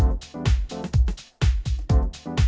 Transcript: ักน้องมีเก็บเงิน